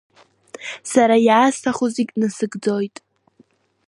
Сара иаасҭаху зегьы назыгӡоит!